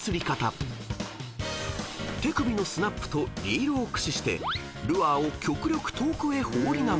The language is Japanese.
［手首のスナップとリールを駆使してルアーを極力遠くへ放り投げる］